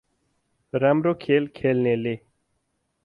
राम्रो खेल खेल्नेले ।